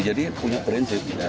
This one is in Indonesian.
jadi punya prinsip